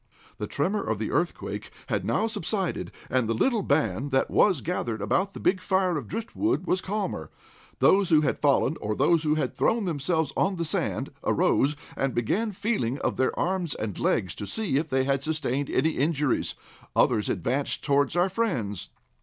The tremor of the earthquake had now subsided, and the little band that was gathered about a big fire of driftwood was calmer. Those who had fallen, or who had thrown themselves on the sand, arose, and began feeling of their arms and legs to see if they had sustained any injuries. Others advanced toward our friends.